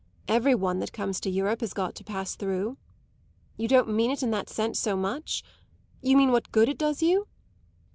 Every one that comes to Europe has got to pass through. You don't mean it in that sense so much? You mean what good it does you?